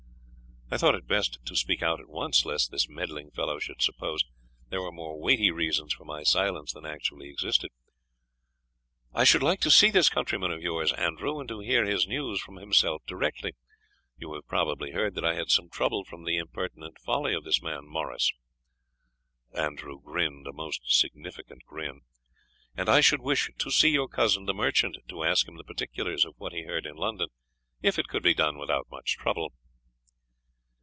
I thought it best to speak out at once, lest this meddling fellow should suppose there were more weighty reasons for my silence than actually existed. "I should like to see this countryman of yours, Andrew and to hear his news from himself directly. You have probably heard that I had some trouble from the impertinent folly of this man Morris" (Andrew grinned a most significant grin), "and I should wish to see your cousin the merchant, to ask him the particulars of what he heard in London, if it could be done without much trouble."